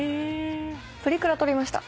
プリクラ撮りました。